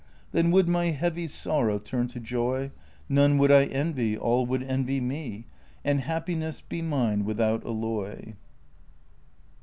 Then would my heavy sorrow turn to joy; None would I envy, {ill would envy me, And happiness be mine without alloy.